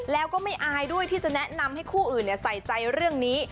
แล้วก็ไม่อายด้วยที่จะแนะนำให้คู่อื่นใส่ใจเรื่องนี้